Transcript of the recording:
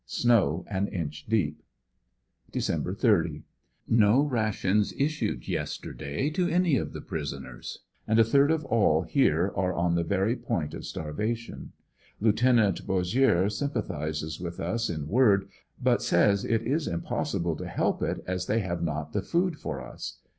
Snow an inch deep. Dec. 30. — No rations issued yesterday to any of the prisoners and a third of all here are on the very point of starvation. Lieut. Bos sieux sympathizes with us in word but says it is impossible to help it as they have not the food for us.